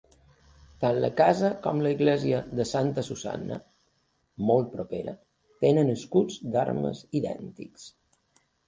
Tant la casa com l'església de Santa Susanna, molt propera, tenen escut d'armes idèntic.